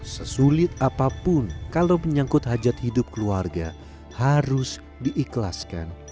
sesulit apapun kalau menyangkut hajat hidup keluarga harus diikhlaskan